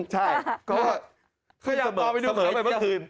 อ๋อเหรอ